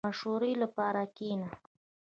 • د مشورې لپاره کښېنه.